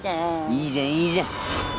いいじゃんいいじゃん。